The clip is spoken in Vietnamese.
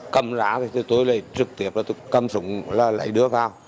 cầm ra thì tôi lại trực tiếp là tôi cầm súng là lấy đứa vào